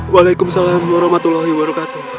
waalaikumsalam warahmatullahi wabarakatuh